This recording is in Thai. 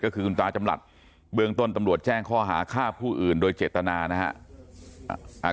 ก็คือคุณตาจำหลัดเบื้องต้นตำรวจแจ้งข้อหาฆ่าผู้อื่นโดยเจตนานะครับ